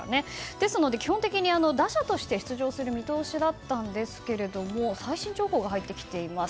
ですので基本的に打者として出場する見通しだったんですが最新情報が入ってきています。